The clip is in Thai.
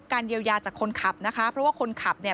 เยียวยาจากคนขับนะคะเพราะว่าคนขับเนี่ย